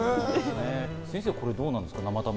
先生、これどうなんですか？